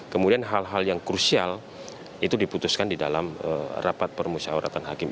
kemudian hal hal yang krusial itu diputuskan di dalam rapat permusyawaratan hakim